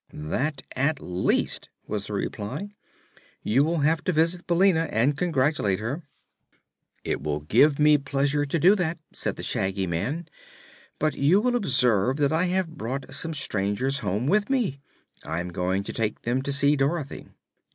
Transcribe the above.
"That, at least," was the reply. "You will have to visit Billina and congratulate her." "It will give me pleasure to do that," said the Shaggy Man. "But you will observe that I have brought some strangers home with me. I am going to take them to see Dorothy."